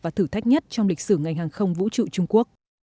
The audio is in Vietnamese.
và thử thách nhất trong lịch sử ngành hàng không vũ trụ trung quốc